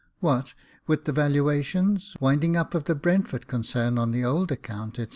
What with the valuations, winding up of the Brentford concern on the old account, &c.